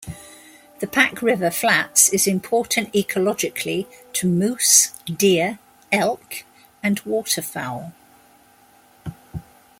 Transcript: The Pack River Flats is important ecologically to moose, deer, elk, and waterfowl.